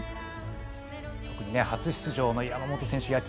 特に初出場の山本選手